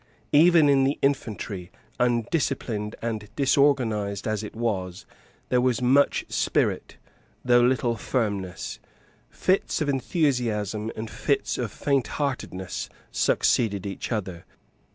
Even in the infantry, undisciplined and disorganized as it was, there was much spirit, though little firmness. Fits of enthusiasm and fits of faintheartedness succeeded each other.